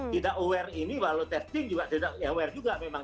tidak aware ini walau testing juga tidak aware juga memang